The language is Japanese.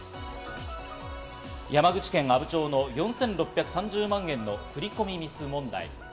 山口県阿武町の４６３０万円の振り込みミス問題。